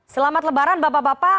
selamat lebaran bapak bapak